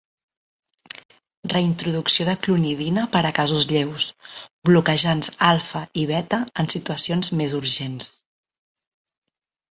Reintroducció de clonidina per a casos lleus, bloquejants alfa i beta en situacions més urgents.